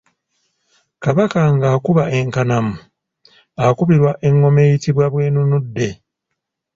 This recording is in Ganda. Kabaka ng’akuba enkanamu akubirwa engoma eyitibwa bwenunudde.